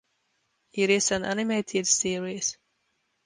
It is an animated series.